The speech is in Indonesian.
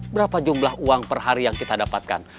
berapa jumlah uang per hari yang kita dapatkan